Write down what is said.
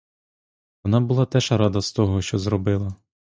Вона була теж рада з того, що зробила.